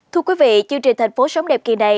thưa quý vị chương trình thành phố sống đẹp kỳ này